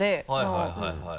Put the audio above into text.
はいはい。